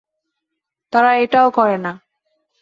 তারা এটাও করে না।